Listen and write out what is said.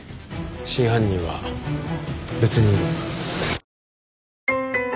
真犯人は別にいる。